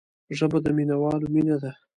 ژبه د مینوالو مینه ده